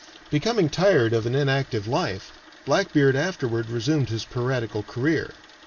Becoming tired of an inactive life, Blackbeard afterward resumed his piratical career.